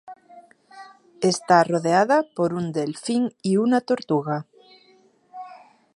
Está rodeada por un delfín y una tortuga.